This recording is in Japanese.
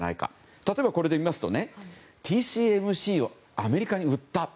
例えば、これで見ますとＴＳＭＣをアメリカに売った。